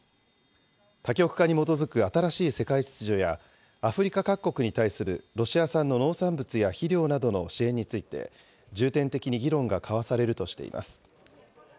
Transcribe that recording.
多極化に基づく新しい世界秩序や、アフリカ各国に対するロシア産の農産物や肥料などの支援について重点的に議論が交わされるとしています。